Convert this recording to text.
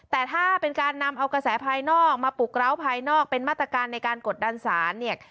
แต่ถ้าเป็นการนำเอากระแสภายนอกมาปลุกร้าวภายนอกเป็นมาตรการในการกดดันสารเนี่ย